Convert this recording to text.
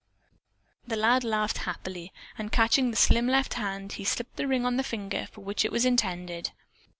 The lad laughed happily, and catching the slim left hand, he slipped the ring on the finger for which it was intended.